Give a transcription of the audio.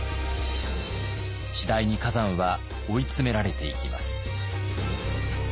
次第に崋山は追い詰められていきます。